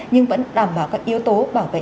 nhưng vẫn đảm bảo các yếu tố bảo vệ